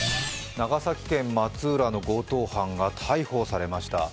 長崎県松浦の強盗犯が逮捕されました。